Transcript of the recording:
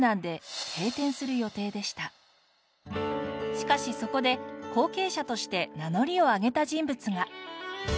しかしそこで後継者として名乗りを上げた人物が！